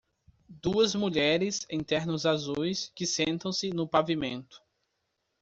Duas mulheres em ternos azuis que sentam-se no pavimento.